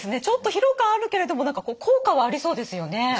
ちょっと疲労感あるけれど何か効果はありそうですよね。